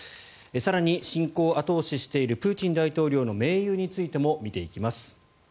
更に、侵攻を後押ししているプーチン大統領の盟友についても見ていきます。